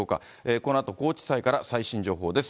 このあと高知地裁から最新情報です。